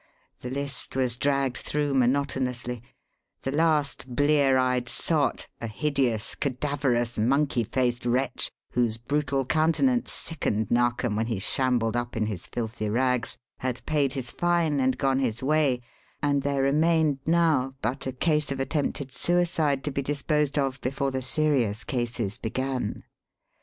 The list was dragged through monotonously; the last blear eyed sot a hideous, cadaverous, monkey faced wretch whose brutal countenance sickened Narkom when he shambled up in his filthy rags had paid his fine, and gone his way, and there remained now but a case of attempted suicide to be disposed of before the serious cases began.